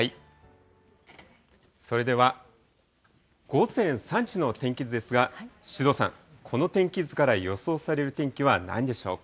それでは午前３時の天気図ですが、首藤さん、この天気図から予想される天気はなんでしょうか。